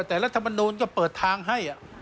แต่รัฐมนูลก็เปิดทางให้